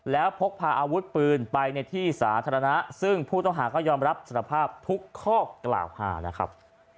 แล้วพกพาอาวุธปืนไปในที่สาธารณะซึ่งผู้ต้องหาก็ยอมรับสารภาพทุกข้อกล่าวหานะครับ